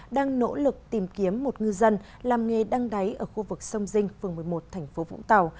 đang nỗ lực tìm kiếm một ngư dân làm nghề đăng đáy ở khu vực sông dinh phường một mươi một thành phố vũng tàu